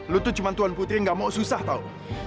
lo tuh cuma tuan putri yang nggak mau susah tau